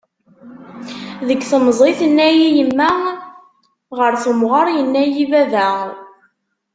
Deg temẓi tenna-yi yemma, ɣer temɣer yenna-yi baba.